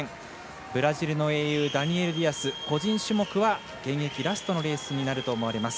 ブラジルの英雄ダニエル・ディアス個人種目は現役ラストのレースになると思われます。